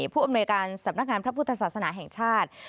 ผู้อำนวยการสำนักงานพระพุทธศาสนาแห่งชาติ